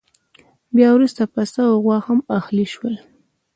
بیا وروسته پسه او غوا هم اهلي شول.